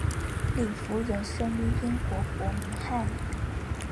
李福仁生于英国伯明翰。